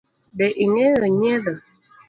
Be ing’eyo nyiedho?